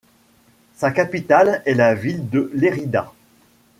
Sa capitale est la ville de Lérida.